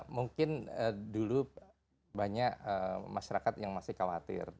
mungkin dulu banyak masyarakat yang masih khawatir